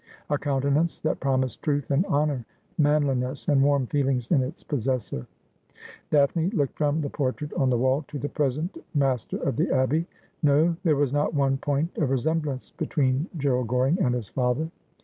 A countenance that promised truth and honour, maaliness and warm feelings in its possessor. Daphne looked from the portrait on the wall to the present master of the Abbey. No ; there was not one point of resem blance between Gerald Goring and his father.